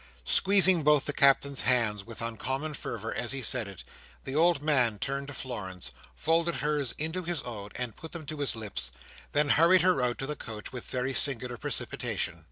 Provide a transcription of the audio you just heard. Squeezing both the Captain's hands, with uncommon fervour, as he said it, the old man turned to Florence, folded hers in his own, and put them to his lips; then hurried her out to the coach with very singular precipitation.